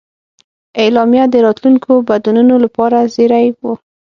اعلامیه د راتلونکو بدلونونو لپاره زېری و.